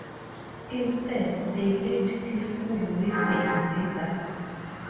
Instead, they lived "peacefully" with the invaders.